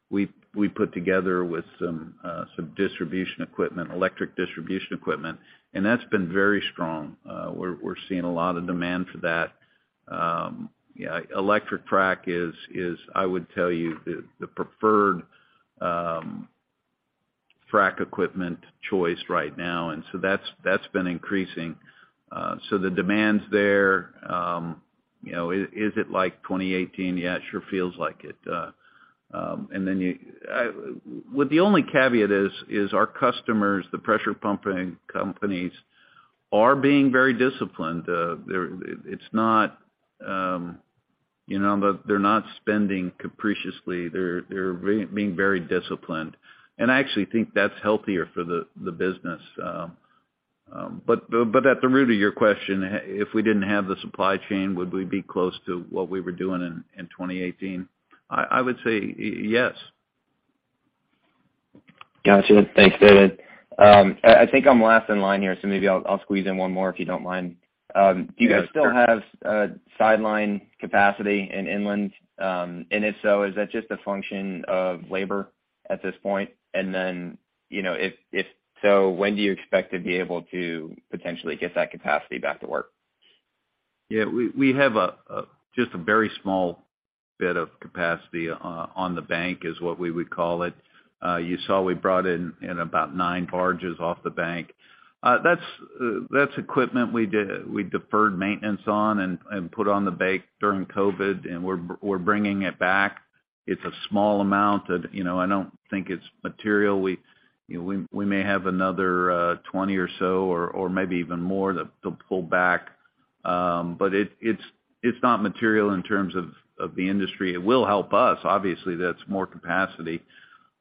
we put together with some distribution equipment, electric distribution equipment, and that's been very strong. We're seeing a lot of demand for that. Yeah, electric frac is I would tell you the preferred frac equipment choice right now, and so that's been increasing. The demand's there. You know, is it like 2018? Yeah, it sure feels like it. The only caveat is our customers, the pressure pumping companies, are being very disciplined. They're not spending capriciously. They're being very disciplined, and I actually think that's healthier for the business. At the root of your question, if we didn't have the supply chain, would we be close to what we were doing in 2018? I would say yes. Gotcha. Thanks, David. I think I'm last in line here, so maybe I'll squeeze in one more, if you don't mind. Do you guys still have sideline capacity in inland? If so, is that just a function of labor at this point? You know, if so, when do you expect to be able to potentially get that capacity back to work? Yeah. We have just a very small bit of capacity on the bank, is what we would call it. You saw we brought in about 9 barges off the bank. That's equipment we deferred maintenance on and put on the bank during COVID, and we're bringing it back. It's a small amount that, you know, I don't think it's material. You know, we may have another 20 or so or maybe even more to pull back. It's not material in terms of the industry. It will help us. Obviously, that's more capacity.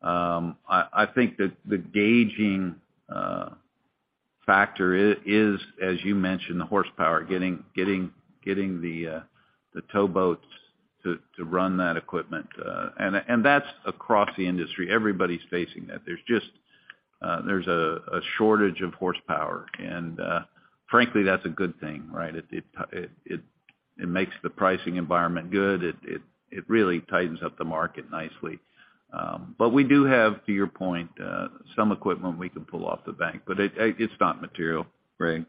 I think the gating factor is, as you mentioned, the horsepower, getting the towboats to run that equipment. That's across the industry. Everybody's facing that. There's just a shortage of horsepower. Frankly, that's a good thing, right? It makes the pricing environment good. It really tightens up the market nicely. We do have, to your point, some equipment we can pull off the bench, but it's not material, Greg.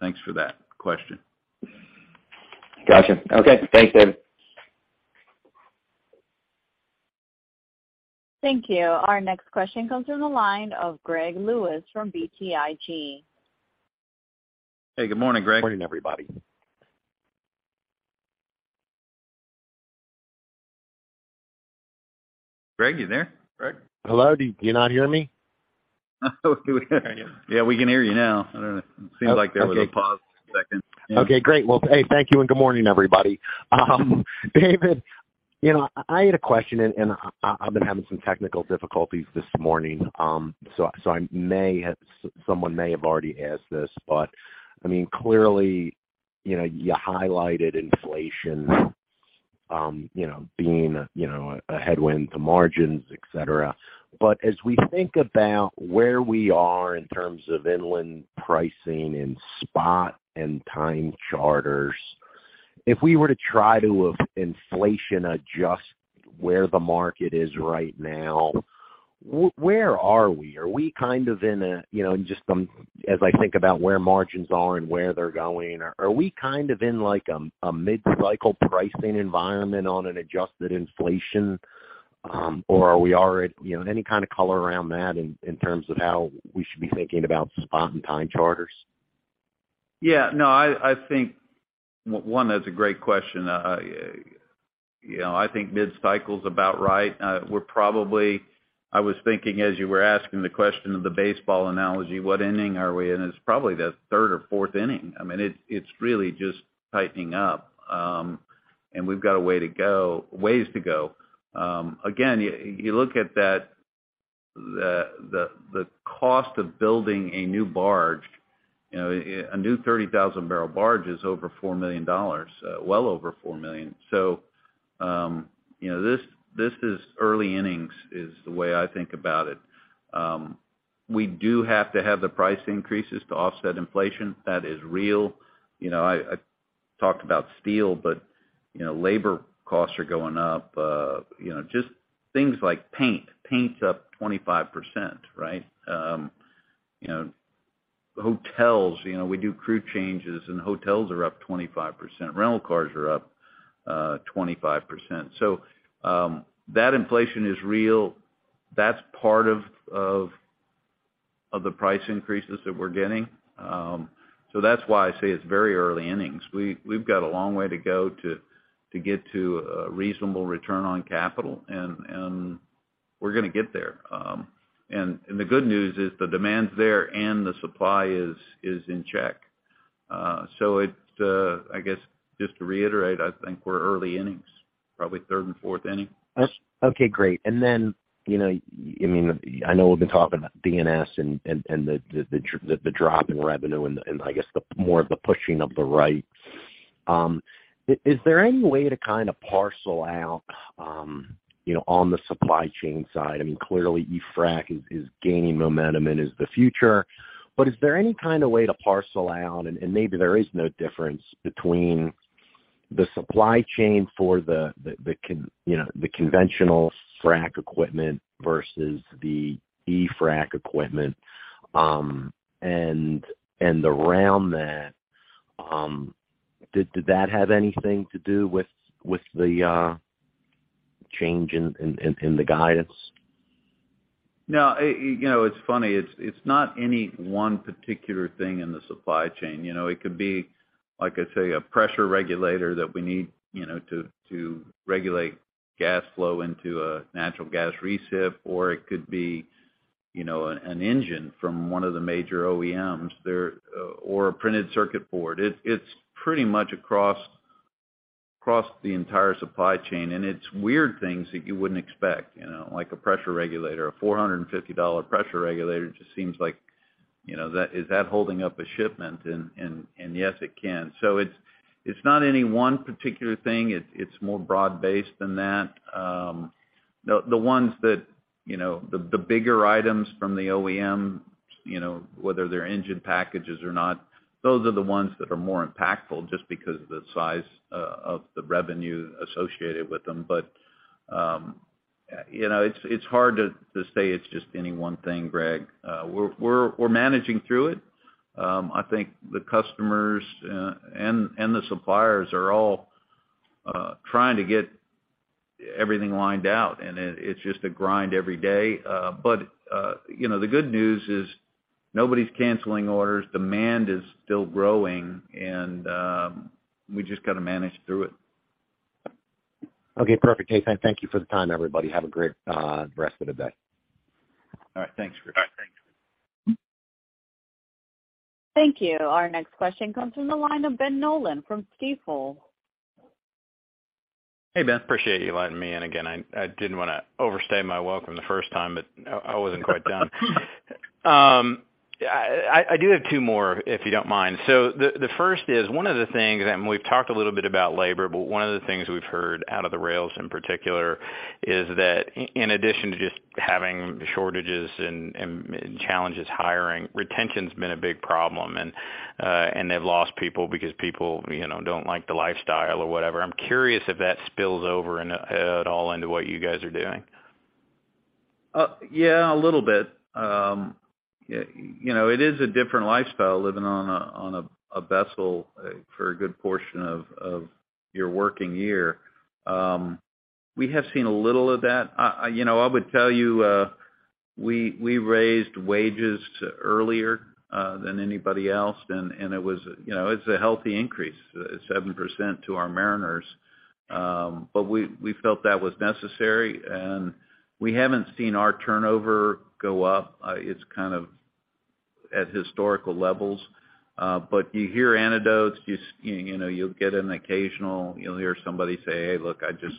Thanks for that question. Gotcha. Okay. Thanks, David. Thank you. Our next question comes from the line of Greg Lewis from BTIG. Hey, good morning, Greg. Morning, everybody. Greg, you there? Greg? Hello? Do you not hear me? We hear you. Yeah, we can hear you now. I don't know. Okay. It seems like there was a pause for a second. Yeah. Okay, great. Well, hey, thank you and good morning, everybody. David, you know, I had a question, and I've been having some technical difficulties this morning. So, I may have. Someone may have already asked this. I mean, clearly, you know, you highlighted inflation, you know, being, you know, a headwind to margins, et cetera. As we think about where we are in terms of inland pricing in spot and time charters, if we were to try to inflation adjust where the market is right now, where are we? Are we kind of in a, you know, as I think about where margins are and where they're going, are we kind of in, like, a mid-cycle pricing environment on an adjusted inflation, or are we at, you know, any kind of color around that in terms of how we should be thinking about spot and time charters? Yeah. No, I think one, that's a great question. You know, I think mid-cycle's about right. We're probably. I was thinking as you were asking the question of the baseball analogy, what inning are we in? It's probably the third or fourth inning. I mean, it's really just tightening up, and we've got ways to go. Again, you look at the cost of building a new barge, you know, a new 30,000-barrel barge is over $4 million, well over $4 million. So, you know, this is early innings, is the way I think about it. We do have to have the price increases to offset inflation. That is real. You know, I talked about steel, but, you know, labor costs are going up. You know, just things like paint. Paint's up 25%, right? You know, hotels. You know, we do crew changes, and hotels are up 25%. Rental cars are up 25%. That inflation is real. That's part of the price increases that we're getting. That's why I say it's very early innings. We've got a long way to go to get to a reasonable return on capital, and we're gonna get there. The good news is the demand's there and the supply is in check. It's, I guess, just to reiterate, I think we're early innings, probably third and fourth inning. Okay, great. You know, I mean, I know we've been talking about D&S and the drop in revenue and I guess the more of the pushing of the rates. Is there any way to kind of parcel out you know on the supply chain side? I mean, clearly, e-frac is gaining momentum and is the future. Is there any kind of way to parcel out, and maybe there is no difference between the supply chain for the conventional frac equipment versus the e-frac equipment, and around that, did that have anything to do with the change in the guidance? No. You know, it's funny. It's not any one particular thing in the supply chain. You know, it could be, like I say, a pressure regulator that we need, you know, to regulate gas flow into a natural gas recip, or it could be, you know, an engine from one of the major OEMs there or a printed circuit board. It's pretty much across the entire supply chain. It's weird things that you wouldn't expect, you know, like a pressure regulator. A $450 pressure regulator just seems like you know, is that holding up a shipment? Yes, it can. It's not any one particular thing. It's more broad-based than that. The ones that, you know, the bigger items from the OEM, you know, whether they're engine packages or not, those are the ones that are more impactful just because of the size of the revenue associated with them. You know, it's hard to say it's just any one thing, Greg. We're managing through it. I think the customers and the suppliers are all trying to get everything lined out, and it's just a grind every day. You know, the good news is nobody's canceling orders. Demand is still growing, and we just gotta manage through it. Okay, perfect. Jason, thank you for the time, everybody. Have a great rest of the day. All right. Thanks, Greg. All right. Thanks. Thank you. Our next question comes from the line of Ben Nolan from Stifel. Hey, Ben. Appreciate you letting me in again. I didn't wanna overstay my welcome the first time, but I wasn't quite done. I do have two more, if you don't mind. The first is, one of the things, and we've talked a little bit about labor, but one of the things we've heard out of the rails in particular is that in addition to just having shortages and challenges hiring, retention's been a big problem. They've lost people because people, you know, don't like the lifestyle or whatever. I'm curious if that spills over at all into what you guys are doing. Yeah, a little bit. You know, it is a different lifestyle living on a vessel for a good portion of your working year. We have seen a little of that. You know, I would tell you, we raised wages earlier than anybody else, and it was, you know, it's a healthy increase, 7% to our mariners. We felt that was necessary, and we haven't seen our turnover go up. It's kind of at historical levels. You hear anecdotes. You know, you'll get an occasional, you'll hear somebody say, "Hey, look, I just,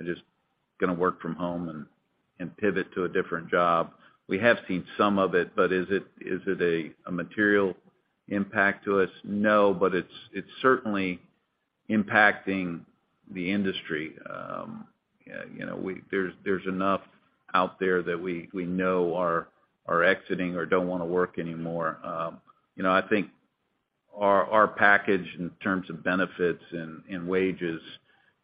I'm just gonna work from home and pivot to a different job." We have seen some of it, but is it a material impact to us? No, it's certainly impacting the industry. You know, there's enough out there that we know are exiting or don't wanna work anymore. You know, I think our package in terms of benefits and wages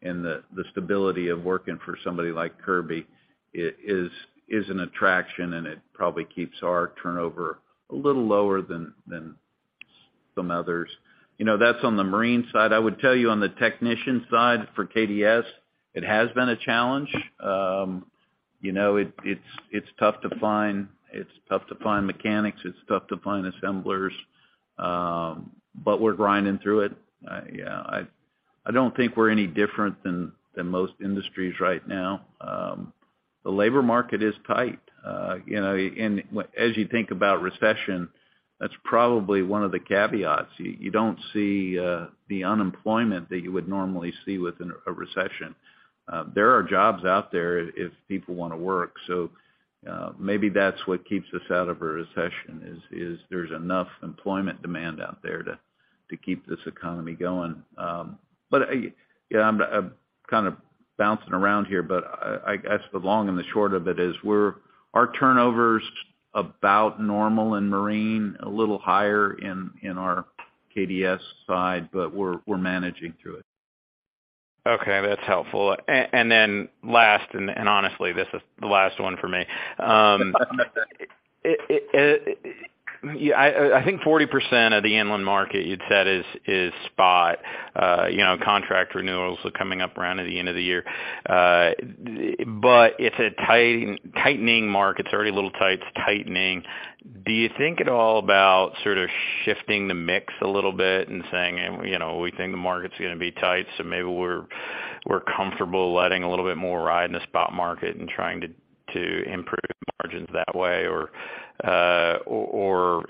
and the stability of working for somebody like Kirby is an attraction, and it probably keeps our turnover a little lower than some others. You know, that's on the marine side. I would tell you on the technician side for KDS, it has been a challenge. You know, it's tough to find mechanics, it's tough to find assemblers, but we're grinding through it. I don't think we're any different than most industries right now. The labor market is tight. You know, as you think about recession, that's probably one of the caveats. You don't see the unemployment that you would normally see within a recession. There are jobs out there if people wanna work. Maybe that's what keeps us out of a recession, is there's enough employment demand out there to keep this economy going. But yeah, I'm kind of bouncing around here, but that's the long and the short of it is our turnover's about normal in marine, a little higher in our KDS side, but we're managing through it. Okay, that's helpful. Then last, and honestly, this is the last one for me. I think 40% of the inland market you'd said is spot. You know, contract renewals are coming up around at the end of the year. But it's a tightening market. It's already a little tight. It's tightening. Do you think at all about sort of shifting the mix a little bit and saying, you know, we think the market's gonna be tight, so maybe we're comfortable letting a little bit more ride in the spot market and trying to improve margins that way? Or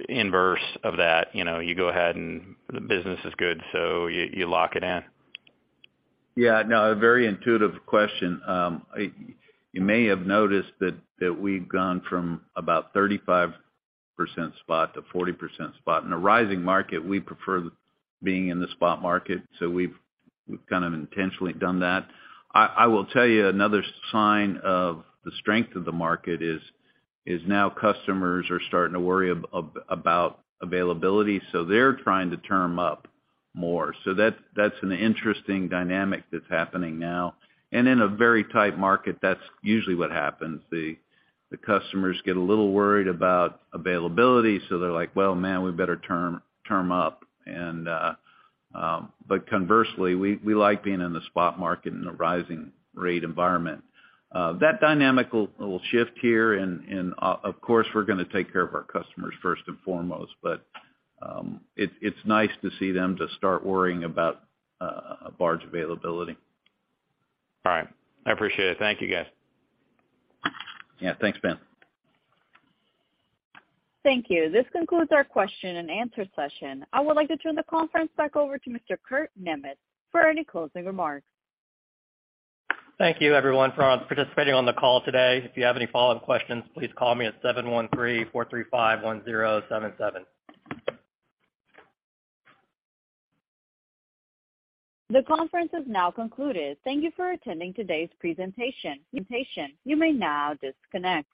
inverse of that, you know, you go ahead and the business is good, so you lock it in. Yeah, no, a very intuitive question. You may have noticed that we've gone from about 35% spot to 40% spot. In a rising market, we prefer being in the spot market, so we've kind of intentionally done that. I will tell you another sign of the strength of the market is now customers are starting to worry about availability, so they're trying to term up more. So that's an interesting dynamic that's happening now. In a very tight market, that's usually what happens. The customers get a little worried about availability, so they're like, "Well, man, we better term up." But conversely, we like being in the spot market in a rising rate environment. That dynamic will shift here and, of course, we're gonna take care of our customers first and foremost, but it's nice to see them start worrying about barge availability. All right. I appreciate it. Thank you, guys. Yeah. Thanks, Ben. Thank you. This concludes our question and answer session. I would like to turn the conference back over to Mr. Kurt Niemietz for any closing remarks. Thank you, everyone, for participating on the call today. If you have any follow-up questions, please call me at 713-435-1077. The conference is now concluded. Thank you for attending today's presentation. You may now disconnect.